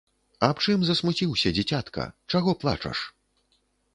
Аб чым засмуціўся, дзіцятка, чаго плачаш?